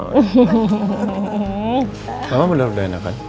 mama bener bener udah enakan